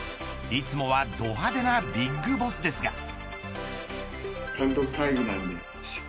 いつもはど派手なビッグボスですが。